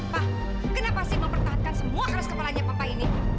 pak kenapa sih mempertahankan semua keras kepalanya papa ini